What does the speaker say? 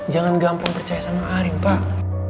jangan gampang percaya sama arin pak